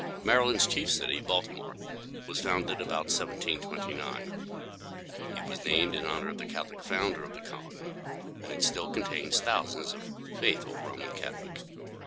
Maryland's chief city, Baltimore, was founded about 1729. It was named in honor of the Catholic founder of the colony, and it still contains thousands of faithful Roman Catholics.